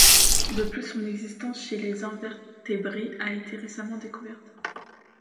De plus, son existence chez les invertébrés a été récemment découverte.